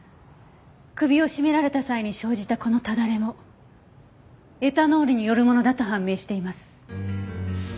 首を絞められた際に生じたこのただれもエタノールによるものだと判明しています。